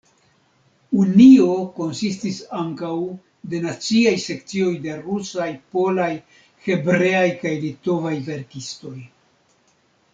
Unio konsistis ankaŭ de naciaj sekcioj de rusaj, polaj, hebreaj kaj litovaj verkistoj.